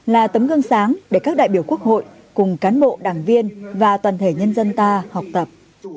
là tấm gương sáng để các đại biểu quốc hội cùng cán bộ đảng viên và toàn thể nhân dân ta học tập